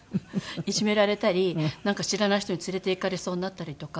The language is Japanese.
いじめられたりなんか知らない人に連れて行かれそうになったりとか。